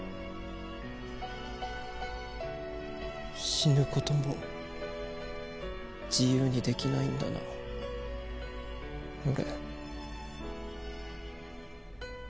死ぬ事も自由にできないんだな俺。